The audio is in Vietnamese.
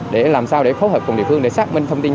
để làm sao để phối hợp cùng địa phương để xác minh thông tin